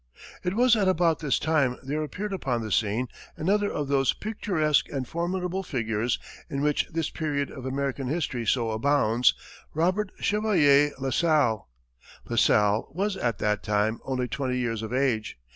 It was at about this time there appeared upon the scene another of those picturesque and formidable figures, in which this period of American history so abounds Robert Cavalier La Salle. La Salle was at that time only twenty years of age.